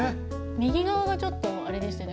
右側がちょっとあれですね